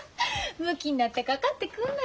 むきになってかかってくんのよ